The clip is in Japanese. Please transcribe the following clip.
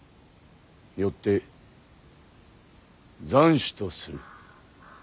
よって斬首とする。